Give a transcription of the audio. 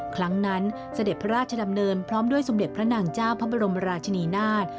ครั้งนั้นเสด็จพระราชดำเนินพร้อมด้วยสมเด็จพระนางเจ้าพระบรมราชนีนาฏ